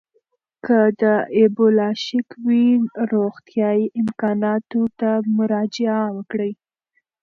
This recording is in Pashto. که د اېبولا شک وي، روغتیايي امکاناتو ته مراجعه وکړئ.